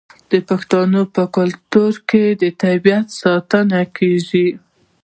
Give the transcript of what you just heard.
د پښتنو په کلتور کې د طبیعت ساتنه کیږي.